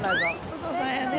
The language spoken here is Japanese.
お父さんやで。